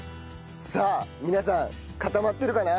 さあ皆さん固まってるかな？